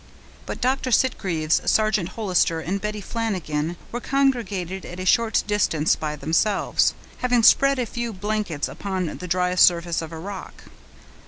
But Dr. Sitgreaves, Sergeant Hollister, and Betty Flanagan were congregated at a short distance by themselves, having spread a few blankets upon the dry surface of a rock.